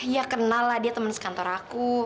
ya kenal lah dia temen sekantor aku